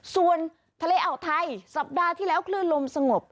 ส่วนทะเลอ่าวไทยสัปดาห์ที่แล้วคลื่นลมสงบ